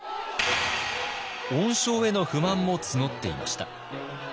恩賞への不満も募っていました。